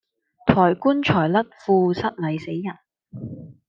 抬棺材甩褲失禮死人